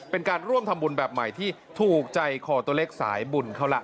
เป็นการร่วมทำบุญแบบใหม่ที่ถูกใจคอตัวเล็กสายบุญเขาล่ะ